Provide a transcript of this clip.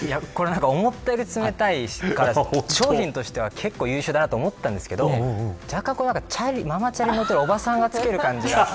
思ったより冷たいから商品としては結構優秀だと思ったんですけどママチャリに乗っているおばさんが着けている感じで。